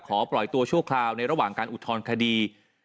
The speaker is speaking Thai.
ปล่อยตัวชั่วคราวในระหว่างการอุทธรณคดี